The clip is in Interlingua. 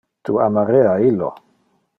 Tu amarea illo.